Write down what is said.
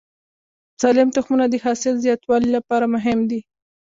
سالم تخمونه د حاصل زیاتوالي لپاره مهم دي.